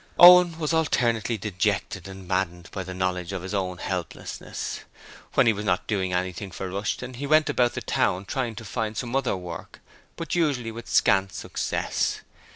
Owen was alternately dejected and maddened by the knowledge of his own helplessness: when he was not doing anything for Rushton he went about the town trying to find some other work, but usually with scant success.